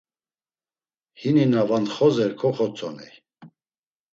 Hini na vantzxozer koxotzoney.